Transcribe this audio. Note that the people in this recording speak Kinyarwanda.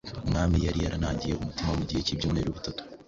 Umwami yari yarinangiye umutima mu gihe cy’ibyumweru bitatu